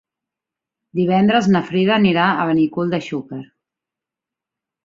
Divendres na Frida anirà a Benicull de Xúquer.